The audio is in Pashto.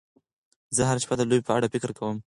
زه هره شپه د لوبې په اړه فکر کوم.